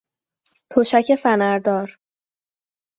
تشک فنردار